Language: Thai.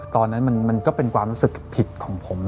ตอนนั้นมันก็เป็นความรู้สึกผิดของผม